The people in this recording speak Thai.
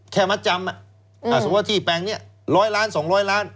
มัดจำสมมุติที่แปลงนี้๑๐๐ล้าน๒๐๐ล้าน